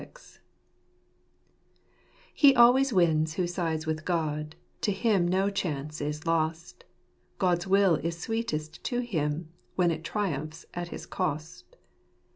41 He always wins who sides with God — to him no chance is lost; God's will is sweetest to him, when it triumphs at his cost.